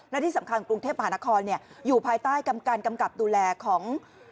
และที่สำคัญกรุงเทพมหานครอยู่ภายใต้การกำกับดูแลของ